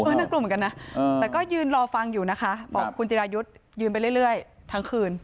น่ากลัวเหมือนกันนะแต่ก็ยืนรอฟังอยู่นะคะบอกคุณจิรายุทธ์ยืนไปเรื่อยทั้งคืน